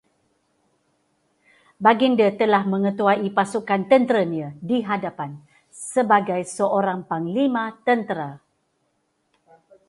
Baginda telah mengetuai pasukan tenteranya di hadapan, sebagai seorang panglima tentera